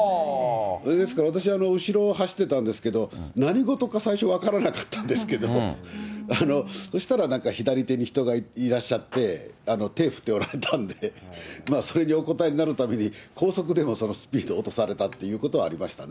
ですから私は後ろを走ってたんですけれども、何事か、最初、分からなかったんですけど、そうしたらなんか左手に人がいらっしゃって、手振っておられたんで、それにお応えになるために、高速でもスピードを落とされたということはありましたね。